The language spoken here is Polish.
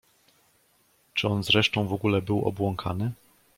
"Czy on zresztą w ogóle był obłąkany?"